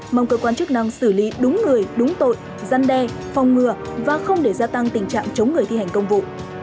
mong cơ quan chức năng xử lý đúng người đúng tội dăn đe phòng ngừa và không để gia tăng tình trạng chống người thi hành công vụ